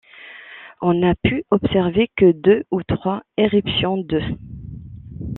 On n'a pu observer que deux ou trois éruptions de '.